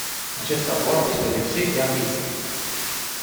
Acest raport este lipsit de ambiție.